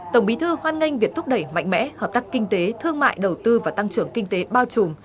tổng bí thư hoan nghênh việc thúc đẩy mạnh mẽ hợp tác kinh tế thương mại đầu tư và tăng trưởng kinh tế bao trùm